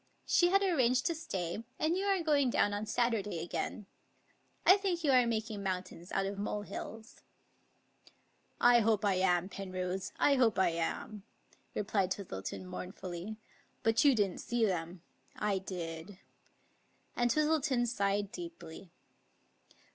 " She had arranged to stay, and you are going down on Saturday again. I think you are making mountains out of molehills." I hope I am, Penrose, I hope I am," replied Twistleton mournfully; " but you didn't see them — I did; " and Twis tleton sighed deeply.